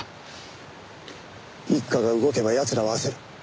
一課が動けば奴らは焦る。